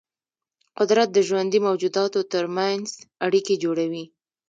قدرت د ژوندي موجوداتو ترمنځ اړیکې جوړوي.